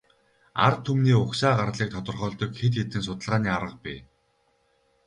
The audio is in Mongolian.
Ард түмний угсаа гарлыг тодорхойлдог хэд хэдэн судалгааны арга бий.